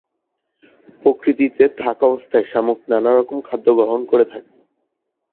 প্রকৃতিতে থাক অবস্থায় শামুক নানা রকম খাদ্য গ্রহণ করে থাকে।